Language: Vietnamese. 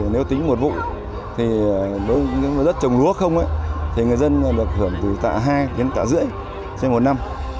nếu tính một vụ đất trồng lúa không người dân được hưởng từ tạ hai đến tạ rưỡi trên một năm